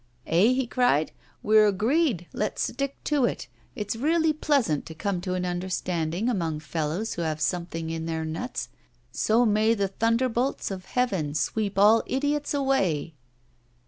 'Eh?' he cried, 'we're agreed, let's stick to it. It's really pleasant to come to an understanding among fellows who have something in their nuts, so may the thunderbolts of heaven sweep all idiots away!